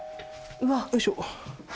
よいしょ